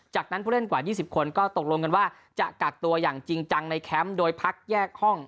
จากนั้นผู้เล่นกว่า๒๐คนก็ตกลงกันว่าจะกักตัวอย่างจริงจังในแคมป์โดยพักแยกห้อง